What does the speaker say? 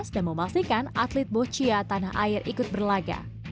dan memastikan atlet bohcia tanah air ikut berlaga